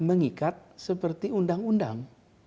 dan mengikat seperti undang undang